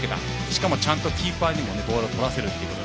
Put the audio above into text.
しかもちゃんとキーパーにもボールをとらせるという。